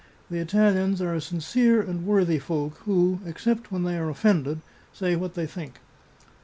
The Italians are a sincere and worthy folk, who, except when they are offended, say what they think.